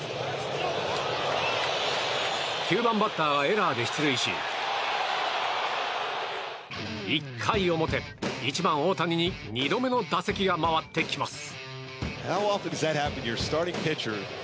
９番バッターがエラーで出塁し１回表、１番の大谷に２度目の打席が回ってきます。